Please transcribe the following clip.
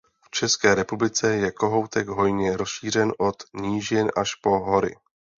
V České republice je kohoutek hojně rozšířen od nížin až po hory.